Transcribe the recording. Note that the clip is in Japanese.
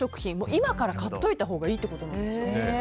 今から買っといたほうがいいということなんですね。